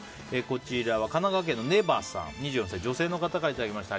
神奈川県の２６歳、女性の方からいただきました。